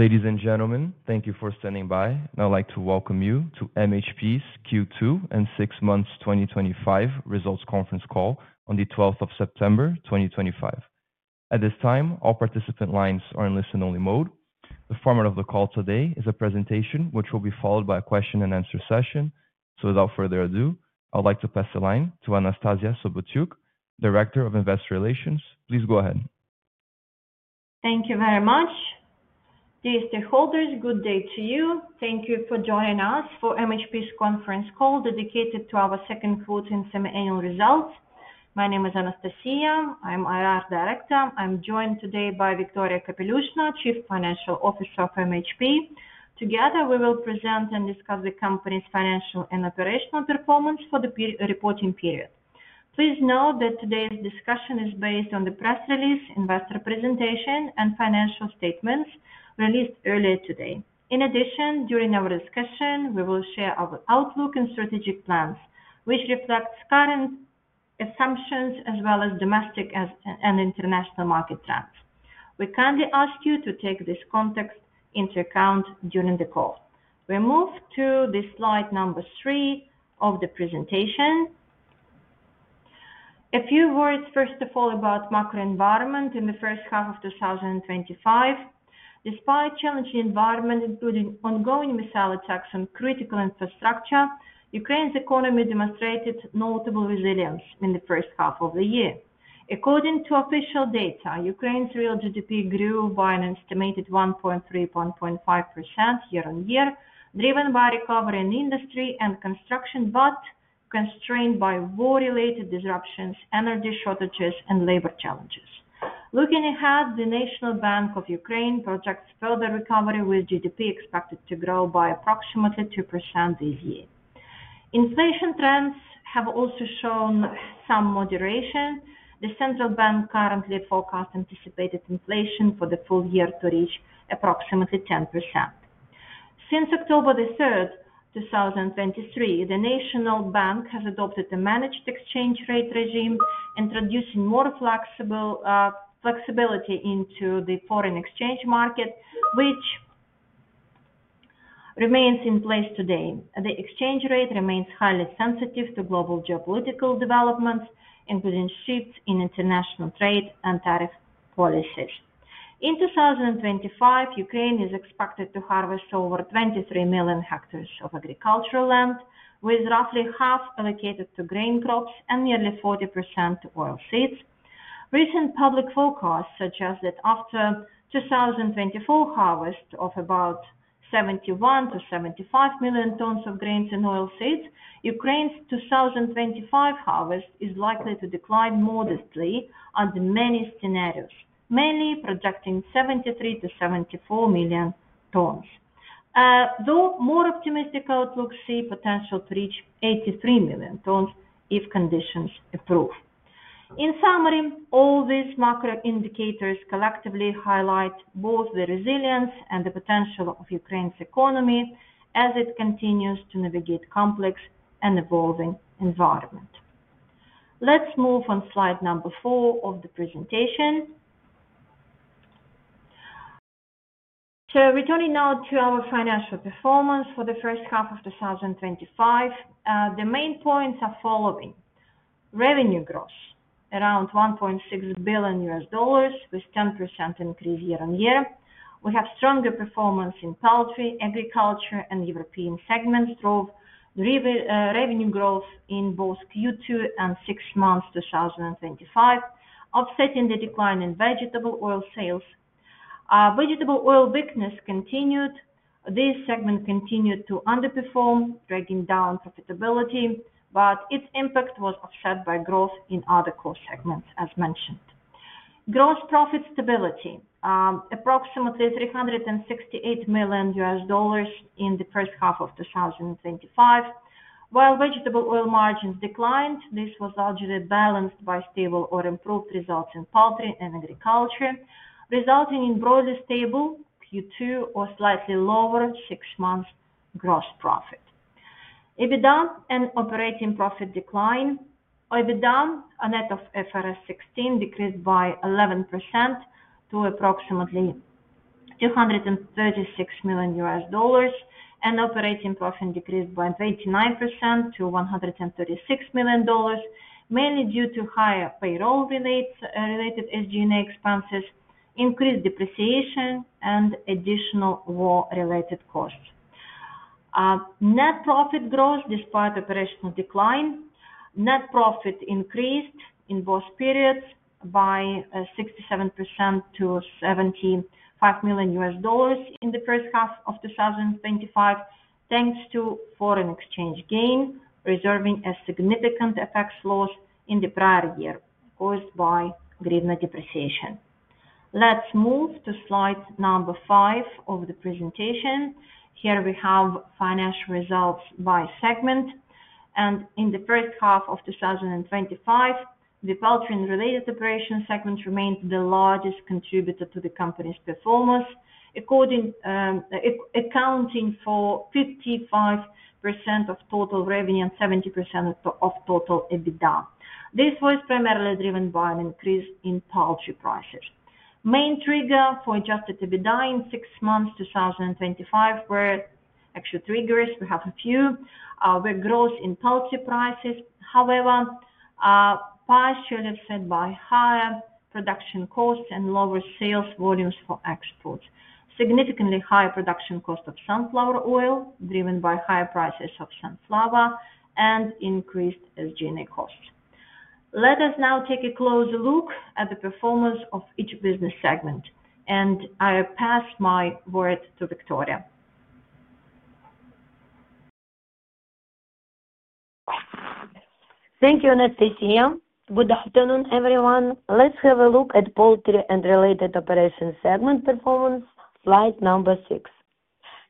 Ladies and gentlemen, thank you for standing by, and I'd like to welcome you to MHP's Q2 and Six Months 2025 Results Conference Call on the 12th of September 2025. At this time, all participant lines are in listen-only mode. The format of the call today is a presentation, which will be followed by a question-and-answer session. Without further ado, I would like to pass the line to Anastasiya Sobotyuk, Director of Investor Relations. Please go ahead. Thank you very much. Dear stakeholders, good day to you. Thank you for joining us for MHP's conference call dedicated to our second quarter and semi-annual results. My name is Anastasiya. I'm IR Director. I'm joined today by Viktoria Kapelyushnaya, Chief Financial Officer of MHP. Together, we will present and discuss the company's financial and operational performance for the reporting period. Please note that today's discussion is based on the press release, investor presentation, and financial statements released earlier today. In addition, during our discussion, we will share our outlook and strategic plans, which reflect current assumptions as well as domestic and international market trends. We kindly ask you to take this context into account during the call. We move to slide number three of the presentation. A few words, first of all, about the macro environment in the first half of 2025. Despite a challenging environment, including ongoing missile attacks on critical infrastructure, Ukraine's economy demonstrated notable resilience in the first half of the year. According to official data, Ukraine's real GDP grew by an estimated 1.3%-1.5% year-on-year, driven by recovery in industry and construction, but constrained by war-related disruptions, energy shortages, and labor challenges. Looking ahead, the National Bank of Ukraine projects further recovery, with GDP expected to grow by approximately 2% this year. Inflation trends have also shown some moderation. The Central Bank currently forecasts anticipated inflation for the full year to reach approximately 10%. Since October 3, 2023, the National Bank has adopted a managed exchange rate regime, introducing more flexibility into the foreign exchange market, which remains in place today. The exchange rate remains highly sensitive to global geopolitical developments, including shifts in international trade and tariff policies. In 2025, Ukraine is expected to harvest over 23 million hectares of agricultural land, with roughly half allocated to grain crops and nearly 40% to oil seeds. Recent public forecasts suggest that after the 2024 harvest of about 71 milliont-75 million tons of grains and oil seeds, Ukraine's 2025 harvest is likely to decline modestly under many scenarios, mainly projecting 73 million-74 million tons, though more optimistic outlooks see the potential to reach 83 million tons if conditions improve. In summary, all these macro indicators collectively highlight both the resilience and the potential of Ukraine's economy as it continues to navigate a complex and evolving environment. Let's move on to slide number four of the presentation. Returning now to our financial performance for the first half of 2025, the main points are the following: revenue growth, around $1.6 billion, with a 10% increase year-on-year. We have stronger performance in poultry, agriculture, and European segments drove revenue growth in both Q2 and Six Months 2025, offsetting the decline in vegetable oil sales. Vegetable oil weakness continued. This segment continued to underperform, dragging down profitability, but its impact was offset by growth in other core segments, as mentioned. Gross profit stability, approximately $368 million in the first half of 2025. While vegetable oil margins declined, this was largely balanced by stable or improved results in poultry and agriculture, resulting in broadly stable Q2 or slightly lower Six Months gross profit. EBITDA and operating profit declined. EBITDA, net of IFRS 16, decreased by 11% to approximately $236 million, and operating profit decreased by 89% to $136 million, mainly due to higher payroll-related SG&A expenses, increased depreciation, and additional war-related costs. Net profit growth, despite operational decline, net profit increased in both periods by 67% to $75 million in the first half of 2025, thanks to foreign exchange gain, reserving a significant FX loss in the prior year caused by grid depreciation. Let's move to slide number five of the presentation. Here we have financial results by segment, and in the first half of 2025, the poultry-related operations segment remained the largest contributor to the company's performance, accounting for 55% of total revenue and 70% of total EBITDA. This was primarily driven by an increase in poultry prices. The main trigger for adjusted EBITDA in 6 months 2025 were actually triggers. We have a few. Were growth in poultry prices, however, partially offset by higher production costs and lower sales volumes for exports. Significantly higher production costs of sunflower oil, driven by higher prices of sunflower and increased SG&A costs. Let us now take a closer look at the performance of each business segment, and I will pass my word to Viktoria. Thank you, Anastasiya. Good afternoon, everyone. Let's have a look at the poultry and related operations segment performance, slide number six.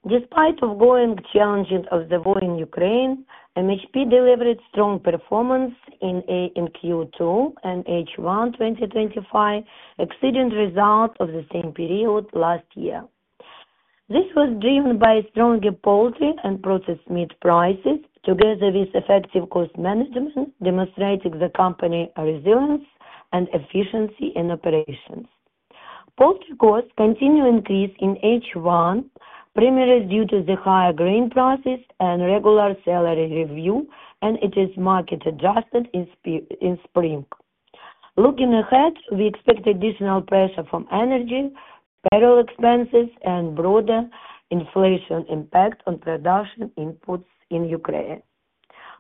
Despite ongoing challenges of the war in Ukraine, MHP delivered strong performance in Q2 and H1 2024, exceeding the results of the same period last year. This was driven by stronger poultry and processed meat prices, together with effective cost management, demonstrating the company's resilience and efficiency in operations. Poultry costs continue to increase in H1, primarily due to the higher grain prices and regular salary review, and it is market-adjusted in spring. Looking ahead, we expect additional pressure from energy, payroll expenses, and broader inflation impacts on production inputs in Ukraine.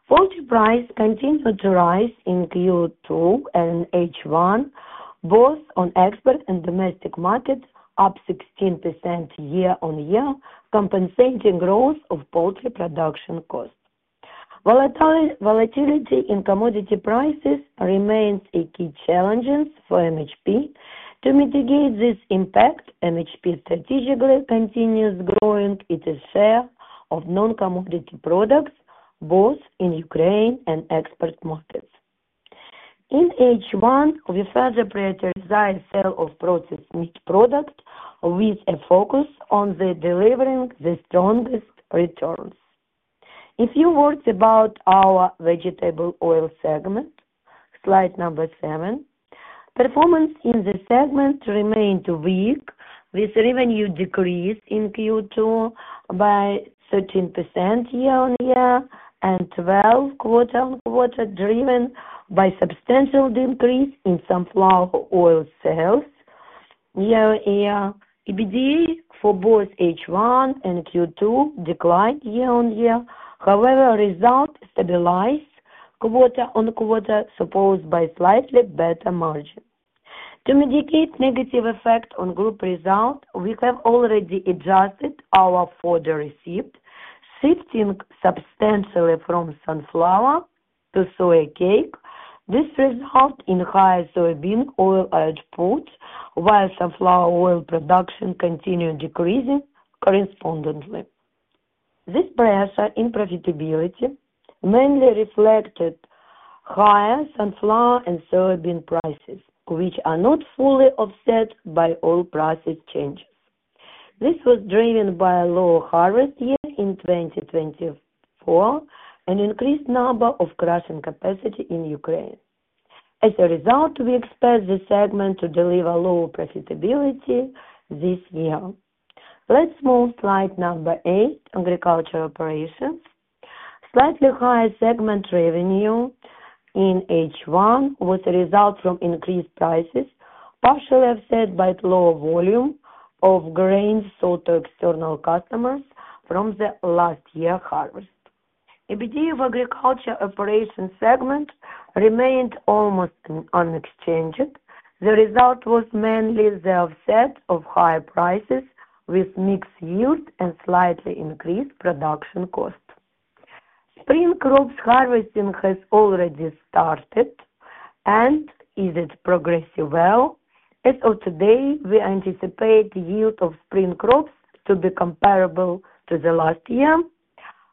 Poultry prices continue to rise in Q2 and H1, both on the export and domestic markets, up 16% year-on-year, compensating growth of poultry production costs. Volatility in commodity prices remains a key challenge for MHP. To mitigate this impact, MHP strategically continues growing its share of non-commodity products, both in Ukraine and export markets. In H1, we further prioritize the sale of processed meat products, with a focus on delivering the strongest returns. A few words about our vegetable oil segment, slide number seven. Performance in this segment remains weak, with revenue decreases in Q2 by 13% year-on-year and 12% quarter on quarter, driven by a substantial decrease in sunflower oil sales year-on-year. EBITDA for both H1 and Q2 declined year-on-year; however, results stabilized quarter on quarter, supported by slightly better margins. To mitigate the negative effects on group results, we have already adjusted our order received, shifting substantially from sunflower to soy cake. This resulted in higher soybean oil output, while sunflower oil production continued decreasing correspondingly. This pressure on profitability mainly reflected higher sunflower and soybean prices, which are not fully offset by oil prices' change. This was driven by a lower harvest year in 2024 and an increased number of crushing capacity in Ukraine. As a result, we expect the segment to deliver lower profitability this year. Let's move to slide number eight, Agricultural Operations. Slightly higher segment revenue in H1 was a result from increased prices, partially offset by the lower volume of grains sold to external customers from the last year's harvest. EBITDA of Agricultural Operations segment remained almost unchanged. The result was mainly the offset of higher prices, with mixed yields and slightly increased production costs. Spring crops harvesting has already started and is progressing well. As of today, we anticipate the yield of spring crops to be comparable to last year.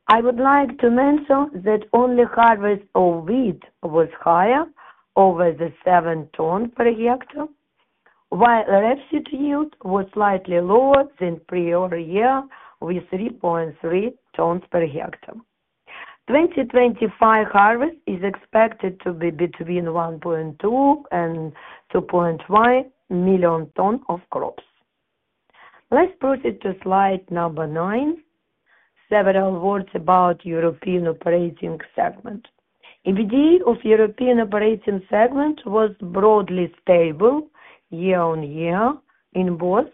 I would like to mention that only harvest of wheat was higher, over 7 tons per hectare, while the rapeseed yield was slightly lower than the prior year, with 3.3 tons per hectare. The 2025 harvest is expected to be between 1.2 and 2.5 million tons of crops. Let's proceed to slide number nine. Several words about the European operating segment. EBITDA of the European operating segment was broadly stable year-on-year in both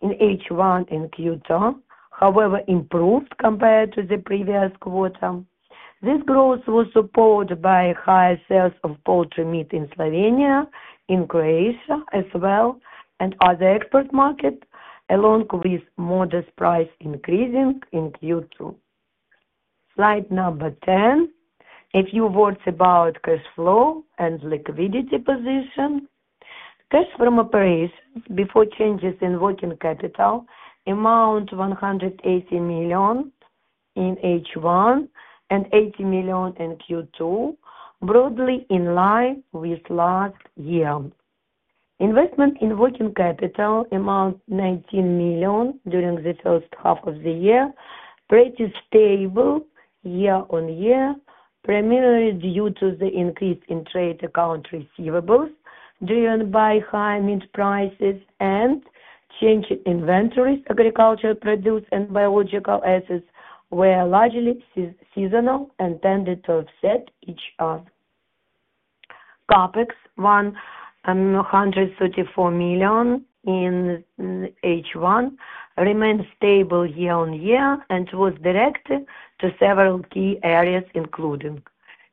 in H1 and Q2, however, improved compared to the previous quarter. This growth was supported by high sales of poultry meat in Slovenia, in Croatia as well, and other export markets, along with modest price increases in Q2. Slide number ten. A few words about the cash flow and liquidity position. Cash from operations before changes in working capital amounted to $180 million in H1 and $80 million in Q2, broadly in line with last year. Investment in working capital amounted to $19 million during the first half of the year, pretty stable year-on-year, primarily due to the increase in trade account receivables, driven by high meat prices and changing inventories. Agricultural produce and biological assets were largely seasonal and tended to offset each other. CAPEX, $134 million in H1, remained stable year-on-year and was directed to several key areas, including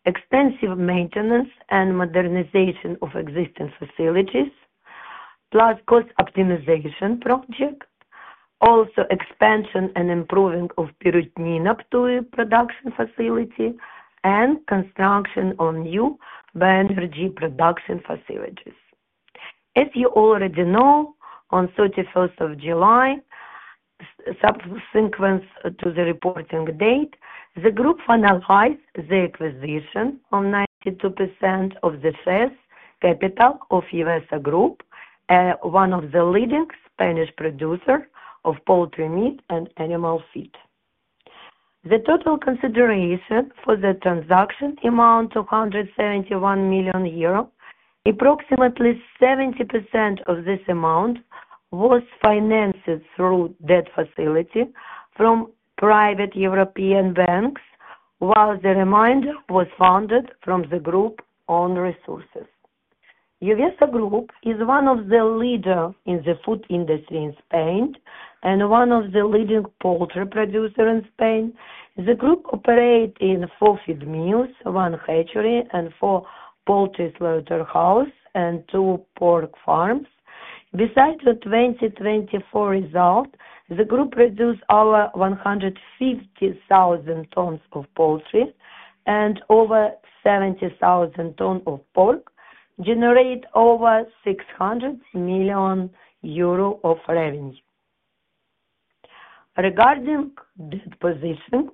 extensive maintenance and modernization of existing facilities, plus cost optimization projects, also expansion and improving of the Pirutinapo production facility, and construction on new Bergy production facilities. As you already know, on the 31st of July, subsequent to the reporting date, the group finalized the acquisition of 92% of the first capital of EVESA Group, one of the leading Spanish producers of poultry meat and animal feed. The total consideration for the transaction amounted to 171 million euro. Approximately 70% of this amount was financed through debt facilities from private European banks, while the remainder was funded from the group's own resources. EVESA Group is one of the leaders in the food industry in Spain and one of the leading poultry producers in Spain. The group operates 4 feed mills, 1 hatchery, 4 poultry slaughter house, and two pork farms. Besides the 2024 results, the group produced over 150,000 tons of poultry and over 70,000 tons of pork, generating over 600 million euro of revenue. Regarding debt position,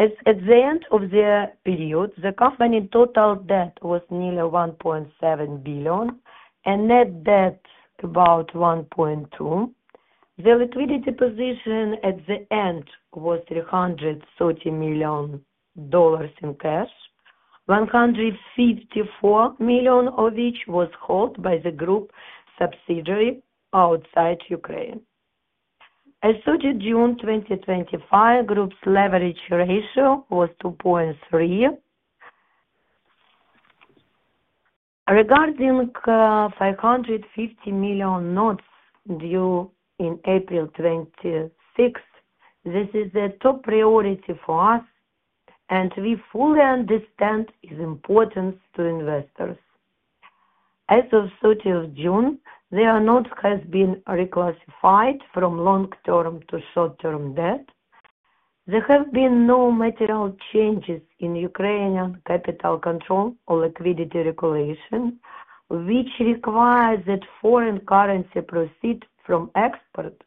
at the end of the period, the company's total debt was nearly $1.7 billion and net debt about $1.2 billion. The liquidity position at the end was $330 million in cash, $154 million of which was held by the group's subsidiaries outside Ukraine. As 30 June 2025, the group's leverage ratio was 2.3x. Regarding $550 million notes due in April 2026, this is a top priority for us, and we fully understand its importance to investors. As of 30th June, there are notes that have been reclassified from long-term to short-term debt. There have been no material changes in Ukrainian capital control or liquidity regulation, which requires that foreign currency proceeds from exports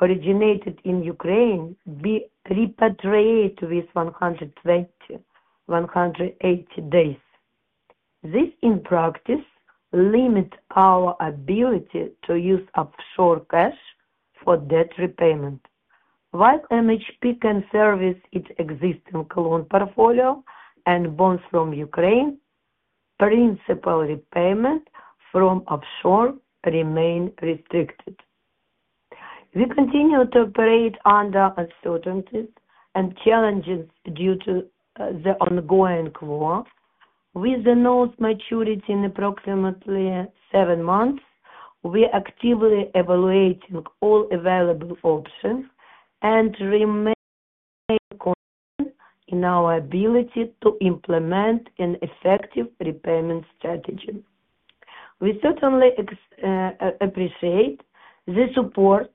originated in Ukraine be repatriated with 180 days. This, in practice, limits our ability to use offshore cash for debt repayment. While MHP can service its existing loan portfolio and bonds from Ukraine, principal repayments from offshore remain restricted. We continue to operate under uncertainty and challenges due to the ongoing war. With the notes maturing in approximately 7 months, we are actively evaluating all available options and remain confident in our ability to implement an effective repayment strategy. We certainly appreciate the support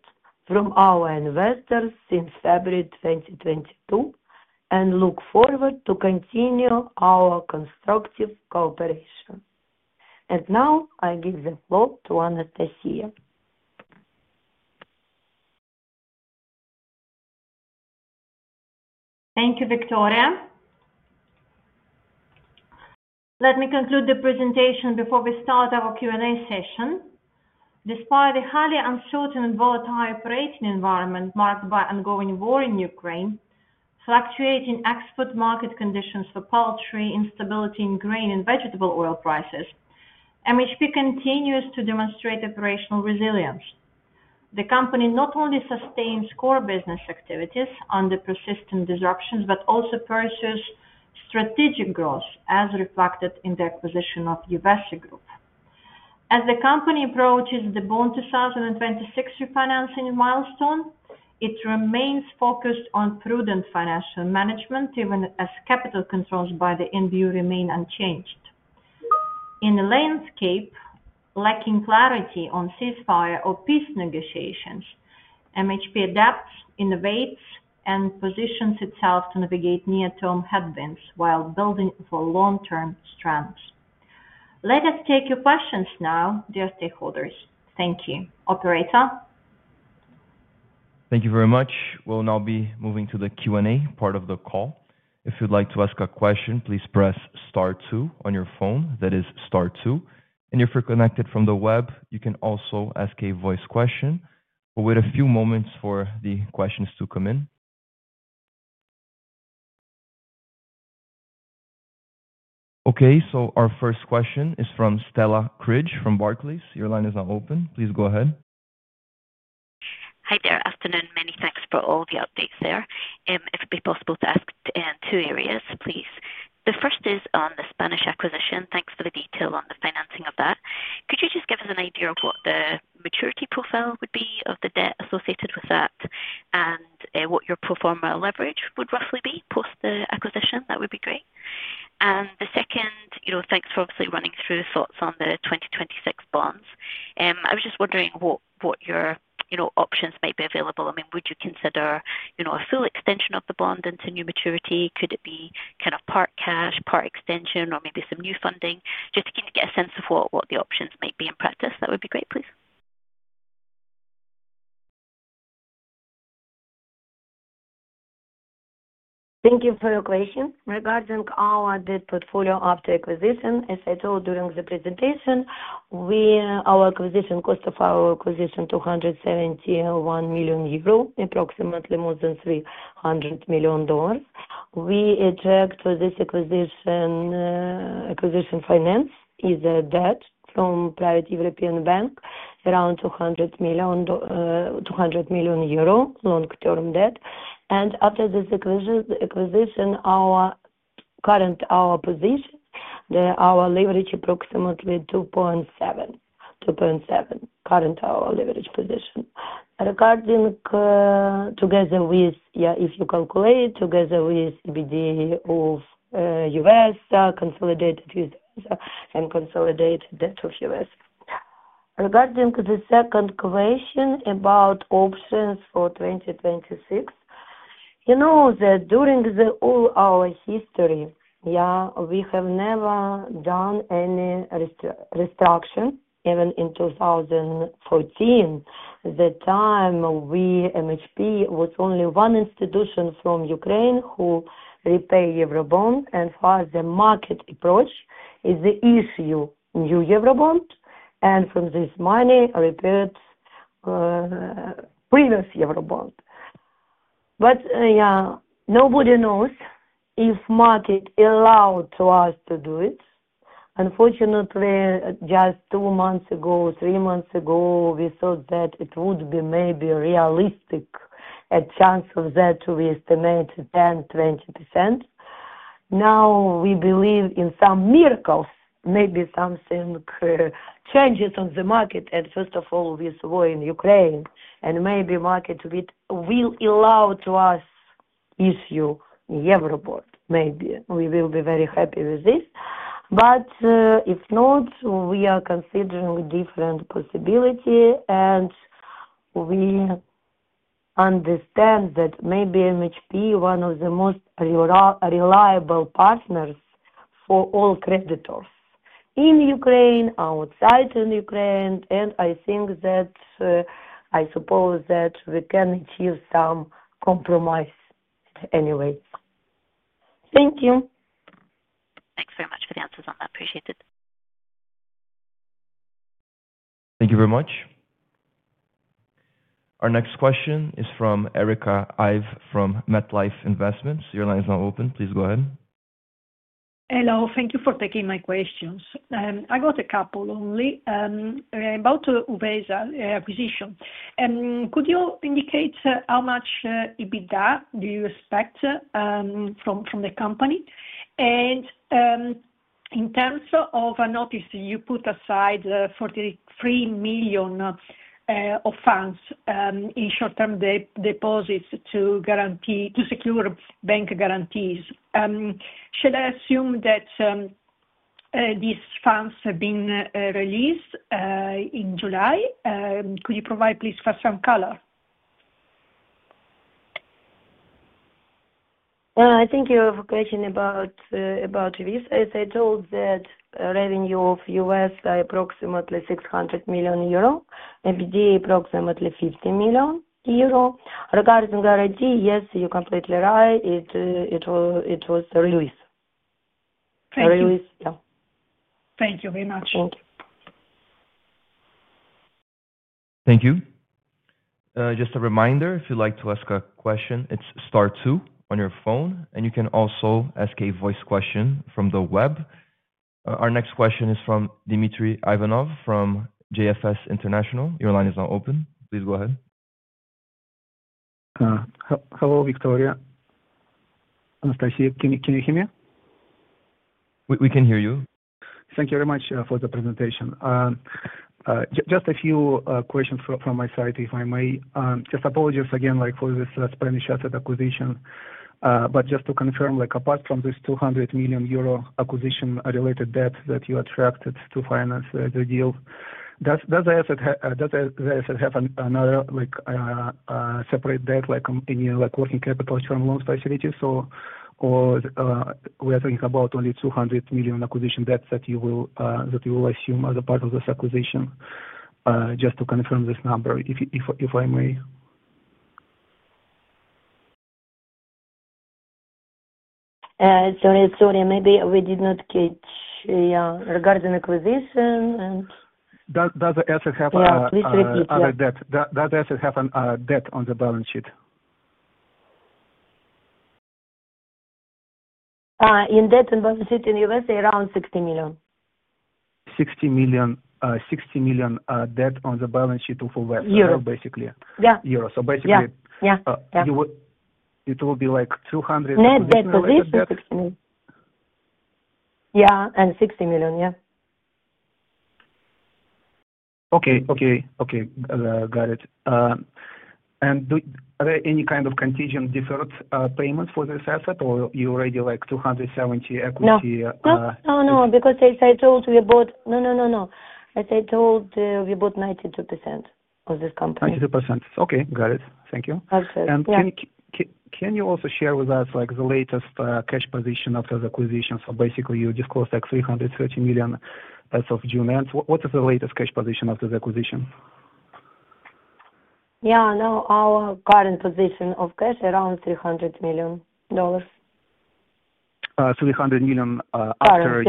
from our investors since February 2022 and look forward to continuing our constructive cooperation. Now, I give the floor to Anastasiya. Thank you, Viktoria. Let me conclude the presentation before we start our Q&A session. Despite a highly uncertain and volatile operating environment marked by ongoing war in Ukraine, fluctuating export market conditions for poultry, instability in grain and vegetable oil prices, MHP continues to demonstrate operational resilience. The company not only sustains core business activities under persistent disruptions but also pursues strategic growth, as reflected in the acquisition of Uverse Group. As the company approaches the bond 2026 refinancing milestone, it remains focused on prudent financial management, given that capital controls by the IBU remain unchanged. In a landscape lacking clarity on ceasefire or peace negotiations, MHP adapts, innovates, and positions itself to navigate near-term headwinds while building for long-term strength. Let us take your questions now, dear stakeholders. Thank you. Operator. Thank you very much. We'll now be moving to the Q&A part of the call. If you'd like to ask a question, please press star two on your phone. That is star two. If you're connected from the web, you can also ask a voice question. We'll wait a few moments for the questions to come in. Our first question is from Stella Cridge from Barclays. Your line is now open. Please go ahead. Hi there. Afternoon. Many thanks for all the updates there. If it'd be possible to ask in two areas, please. The first is on the Spanish acquisition. Thanks for the detail on the financing of that. Could you just give us an idea of what the maturity profile would be of the debt associated with that and what your pro forma leverage would roughly be post-acquisition? That would be great. The second, you know, thanks for obviously running through thoughts on the 2026 bonds. I was just wondering what your, you know, options might be available. I mean, would you consider, you know, a full extension of the bond into new maturity? Could it be kind of part cash, part extension, or maybe some new funding? Just to kind of get a sense of what the options might be in practice, that would be great, please. Thank you for your question. Regarding our debt portfolio after acquisition, as I told during the presentation, our acquisition cost of our acquisition was 271 million euro, approximately more than $300 million. We adjust for this acquisition, acquisition finance is a debt from a private European bank, around 200 million euro, long-term debt. After this acquisition, our current position, our leverage is approximately 2.7 current our leverage position. Regarding, together with, yeah, if you calculate together with EBITDA of U.S. consolidated and consolidate debt of U.S. Regarding the second question about options for 2026, you know that during all our history, yeah, we have never done any restructuring, even in 2014. At the time, MHP was only 1 institution from Ukraine who repaired Eurobond, and for us, the market approach is to issue new Eurobond and from this money repair previous Eurobond. Nobody knows if the market allowed us to do it. Unfortunately, just 2 months ago, 3 months ago, we thought that it would be maybe realistic. A chance of that, we estimated 10%, 20%. Now we believe in some miracles, maybe something changes on the market. First of all, this war in Ukraine, and maybe the market will allow us to issue Euro report. Maybe we will be very happy with this. If not, we are considering different possibilities, and we understand that maybe MHP is one of the most reliable partners for all creditors in Ukraine, outside of Ukraine. I think that I suppose that we can achieve some compromise anyways. Thank you. Thank you very much. Our next question is from Erica Ive from MetLife Investments. Your line is now open. Please go ahead. Hello. Thank you for taking my questions. I got a couple only. About EVESA acquisition, could you indicate how much EBITDA do you expect from the company? In terms of a notice, you put aside $43 million of funds in short-term deposits to secure bank guarantees. Should I assume that these funds have been released in July? Could you provide, please, for some color? I think you have a question about this. As I told, the revenue of IBSA Group is approximately 600 million euro, EBITDA approximately EUR 50 million. Regarding guarantee, yes, you're completely right. It was a release. Thank you. Just a reminder, if you'd like to ask a question, it's star two on your phone, and you can also ask a voice question from the web. Our next question is from Dmitry Ivanov from JFS International. Your line is now open. Please go ahead. Hello, Viktoria. Anastasiya, can you hear me? We can hear you. Thank you very much for the presentation. Just a few questions from my side, if I may. Apologies again for this premature acquisition. Just to confirm, apart from this 200 million euro acquisition-related debt that you attracted to finance the deal, does the asset have another separate debt, like in your working capital term loan specialty? We are talking about only 200 million acquisition debt that you will assume as a part of this acquisition. Just to confirm this number, if I may. Sorry. Maybe we did not catch, yeah, regarding acquisition. Does the asset have a debt on the balance sheet? In debt on the balance sheet in the U.S., around 60 million. 60 million debt on the balance sheet for basically. Euros. Euros. Basically, it will be like 200 million. Net debt acquisition, yeah, and 60 million, yeah. Okay. Got it. Are there any kind of contingent deferred payments for this asset, or are you already like 270 million equity? As I told, we bought 92% of this company. 92%. Okay. Got it. Thank you. Absolutely. Can you also share with us the latest cash position after the acquisition? You disclosed EUR 330 million as of June. What is the latest cash position after the acquisition? Yeah, now our current position of cash is around EUR 300 million. 300 million after.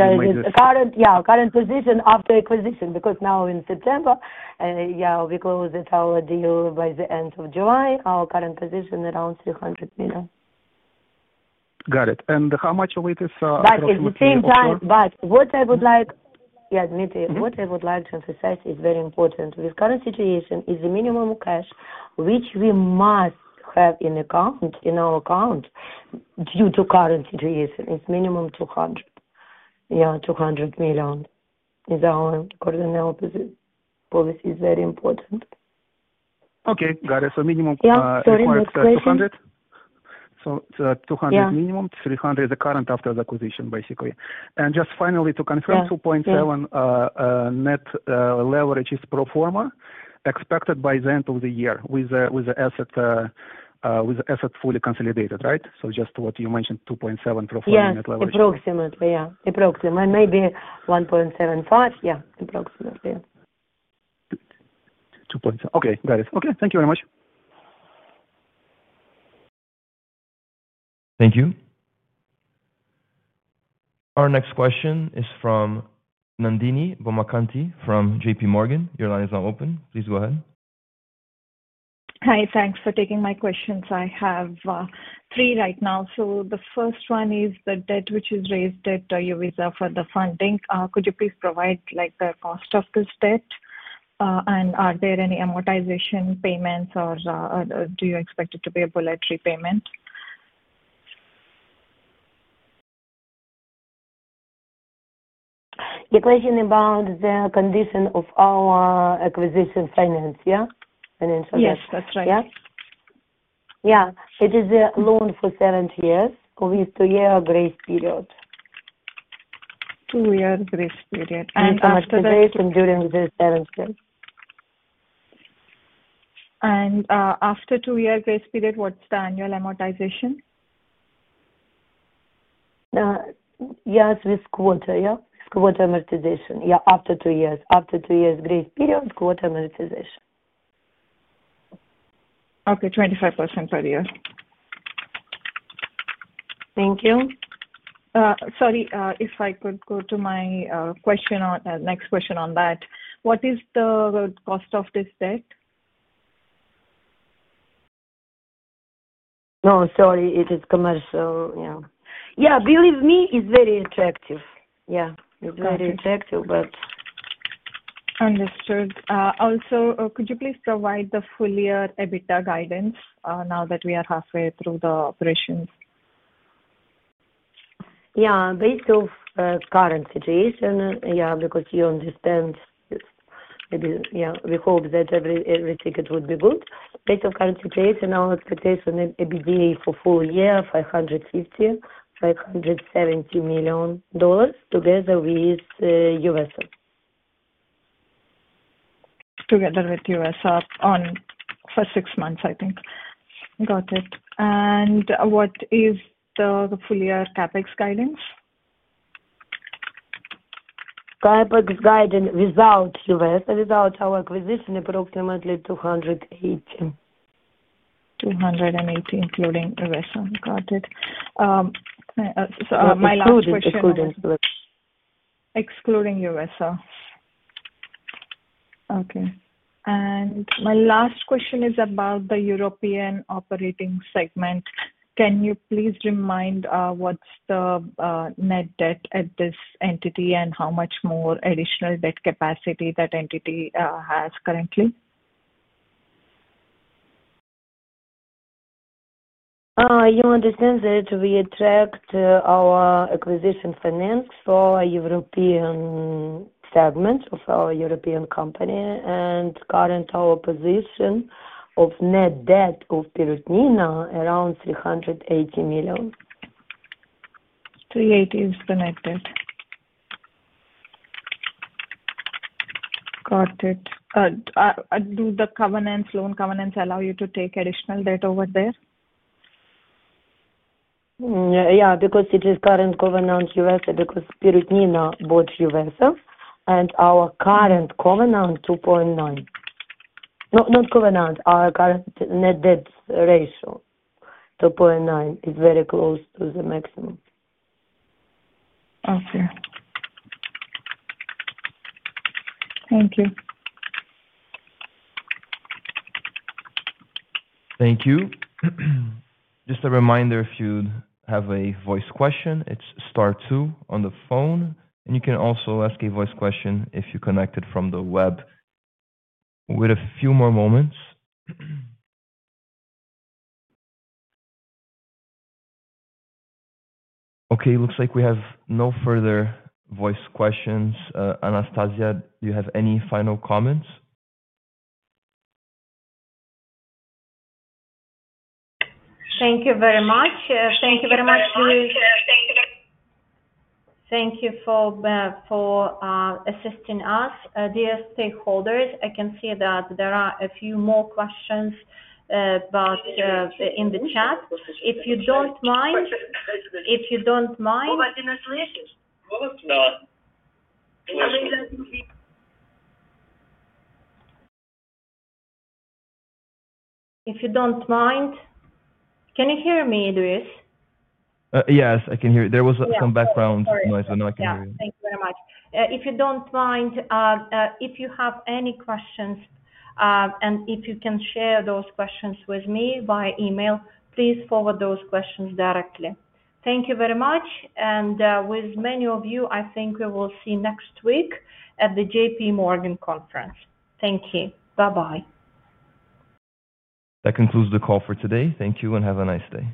Current position after acquisition, because now in September, we closed our deal by the end of July. Our current position is around 300 million. Got it. How much of it is? What I would like, yeah, Dmitry, what I would like to emphasize is very important. With the current situation, the minimum of cash which we must have in our account due to the current situation is minimum $200 million is our cardinal policy, is very important. Okay, got it. $200 minimum, $300 the current after the acquisition, basically. Finally, to confirm, 2.7 net leverage is pro forma expected by the end of the year with the asset fully consolidated, right? Just what you mentioned, 2.7 pro forma net leverage. Approximately 1.75%, yeah, approximately. 2.7. Okay, got it. Okay, thank you very much. Thank you. Our next question is from Nandini Bommakanthi from JPMorgan. Your line is now open. Please go ahead. Hi. Thanks for taking my questions. I have three right now. The first one is the debt which is raised at [IBSA] for the funding. Could you please provide, like, the cost of this debt? Are there any amortization payments, or do you expect it to be a bulletary payment? The question about the condition of our acquisition finance, financial debt? Yes, that's right. Yeah, it is a loan for seven years with a two-year grace period. Two-year grace period. After that, it's enduring the seven years. After the two-year grace period, what's the annual amortization? Yes, with quarter, yeah, quarter amortization. Yeah, after 2 years. After 2 years' grace period, quarter amortization. Okay. 25% per year. Sorry, if I could go to my question on the next question, what is the cost of this debt? No, sorry. It is commercial. Yeah, believe me, it's very attractive. Yeah. Understood. Also, could you please provide the full-year EBITDA guidance now that we are halfway through the operations? Based off current situation, because you understand, we hope that every ticket would be booked. Based on current situation, our expectation is EBITDA for the full year is $550 million together with U.S. Together with U.S. for 6 months, I think. Got it. What is the full-year CapEx guidance? CapEx guidance without U.S., without our acquisition, approximately $280 million. $280, including U.S.. Got it. My last question. Excluding U.S. Excluding U.S. Okay. My last question is about the European operating segment. Can you please remind what's the net debt at this entity, and how much more additional debt capacity that entity has currently? You understand that we attract our acquisition finance for our European segment of our European company, and current our position of net debt of Perutnina around $380 million. $380 is the net debt. Got it. Do the covenants, loan covenants, allow you to take additional debt over there? Yeah, because it is current covenant with U.S. because Perutina bought U.S., and our current covenant is 2.9. No, not covenant. Our current net debt ratio is 2.9. It's very close to the maximum. Okay, thank you. Thank you. Just a reminder, if you have a voice question, it's star two on the phone. You can also ask a voice question if you're connected from the web. We'll wait a few more moments. Okay, it looks like we have no further voice questions. Anastasiya, do you have any final comments? Thank you very much. Thank you very much, Louis. Thank you for assisting us. Dear stakeholders, I can see that there are a few more questions in the chat. If you don't mind, can you hear me, Louis? Yes, I can hear you. There was some background noise, but now I can hear you. Thank you very much. If you don't mind, if you have any questions, and if you can share those questions with me by email, please forward those questions directly. Thank you very much. With many of you, I think we will see you next week at the JPMorgan conference. Thank you. Bye-bye. That concludes the call for today. Thank you and have a nice day.